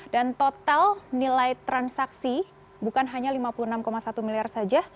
dan total nilai transaksi bukan hanya lima puluh enam satu miliar saja